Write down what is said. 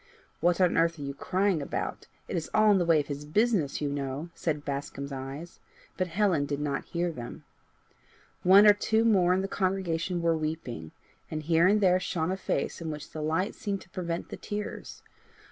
"What on earth are you crying about? It is all in the way of his business, you know," said Bascombe's eyes, but Helen did not hear them. One or two more in the congregation were weeping, and here and there shone a face in which the light seemed to prevent the tears.